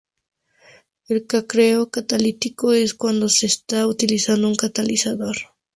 El craqueo catalítico es cuando se está utilizando un catalizador.